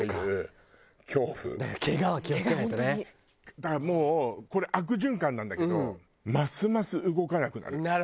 だからもうこれ悪循環なんだけどますます動かなくなる。